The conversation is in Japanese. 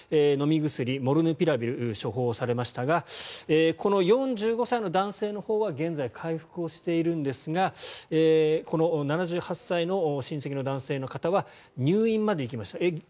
飲み薬、モルヌピラビルが処方されましたがこの４５歳の男性のほうは現在、回復しているんですがこの７８歳の親戚の男性の方は入院まで行きました。